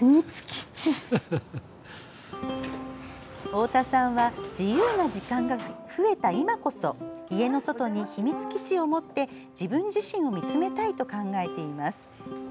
太田さんは自由な時間が増えた今こそ家の外に秘密基地を持って自分自身を見つめたいと考えています。